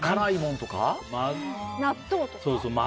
納豆とか？